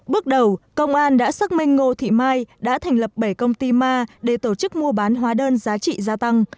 bước đầu công an đã xác minh ngô thị mai đã thành lập bảy công ty ma để tổ chức mua bán hóa đơn giá trị gia tăng